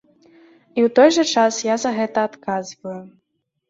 І ў той жа час я за гэта адказваю.